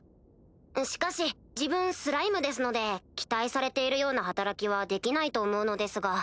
しかし自分スライムですので期待されているような働きはできないと思うのですが。